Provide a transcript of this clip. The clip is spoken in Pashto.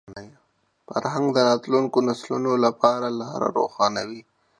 فرهنګ د راتلونکو نسلونو لپاره لاره روښانوي.